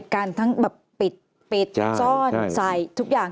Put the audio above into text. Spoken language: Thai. ทั้งแบบปิดซ่อนใส่ทุกอย่าง